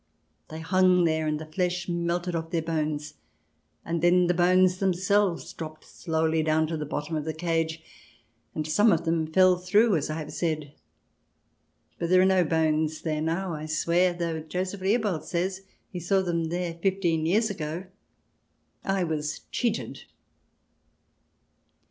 They hung there, and the flesh melted off their bones, and then the bones themselves dropped slowly down to the bottom of the cage, and some of them fell through, as I have said. But there are no bones there now, I swear, although Joseph Leopold says he saw them fifteen years ago. I was cheated.